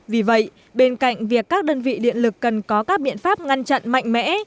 vì vậy bên cạnh việc các đơn vị điện lực cần có các biện pháp ngăn chặn mạnh mẽ